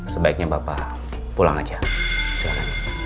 sebaiknya bapak pulang aja silahkan